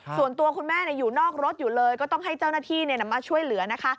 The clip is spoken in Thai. ส่วนตัวคุณแม่อยู่นอกรถอยู่เลยก็ต้องให้เจ้าหน้าที่มาช่วยเหลือนะคะ